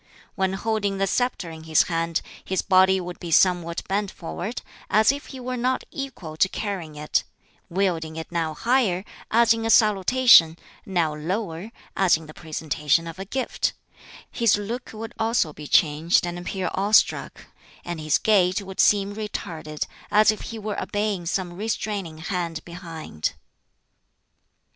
When holding the sceptre in his hand, his body would be somewhat bent forward, as if he were not equal to carrying it; wielding it now higher, as in a salutation, now lower, as in the presentation of a gift; his look would also be changed and appear awestruck; and his gait would seem retarded, as if he were obeying some restraining hand behind.